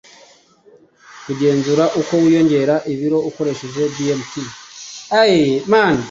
kugenzura uko wiyongera ibiro ukoresheje BMT